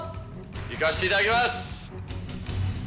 いかせていただきます。